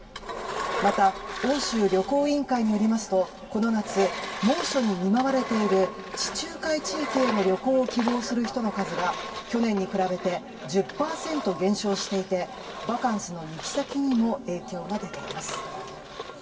また欧州旅行委員会によりますとこの夏、猛暑に見舞われている地中海地域への旅行を希望する人の数が去年に比べて１０％減少していてバカンスの行き先にも影響が出ています。